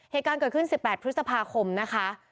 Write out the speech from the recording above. เหตุการณ์เกิดขึ้น๑๘พฤษภาคมนะคะ